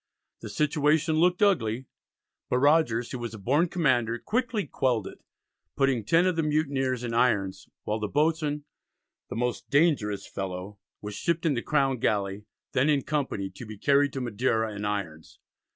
The situation looked ugly, but Rogers, who was a born commander, quickly quelled it, putting ten of the mutineers in irons, while the boatswain, "the most dangerous fellow," was shipped in the Crown galley, then in company, to be carried to Madeira in irons.